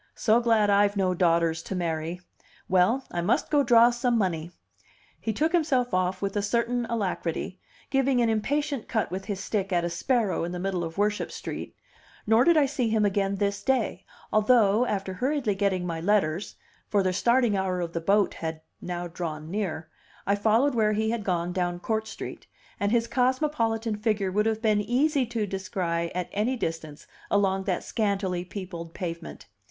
"So glad I've no daughters to marry! Well I must go draw some money." He took himself off with a certain alacrity, giving an impatient cut with his stick at a sparrow in the middle of Worship Street, nor did I see him again this day, although, after hurriedly getting my letters (for the starting hour of the boat had now drawn near), I followed where he had gone down Court Street, and his cosmopolitan figure would have been easy to descry at any distance along that scantily peopled pavement.